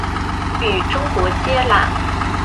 与中国接壤。